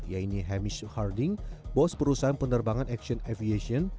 yaitu hamish harding bos perusahaan penerbangan aksi aviasi